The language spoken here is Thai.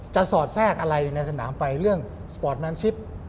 สอดแทรกอะไรในสนามไปเรื่องสปอร์ตแมนซิป